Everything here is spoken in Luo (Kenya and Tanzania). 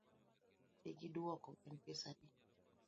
Dhi gi duogo en pesa adi?